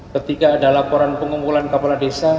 ketika ada laporan pengumpulan kepala desa